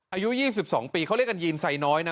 อายุ๒๒ปีเขาเรียกกันยีนไซน้อยนะ